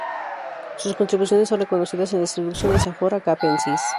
Sus contribuciones son reconocidas en las introducciones a "Flora Capensis".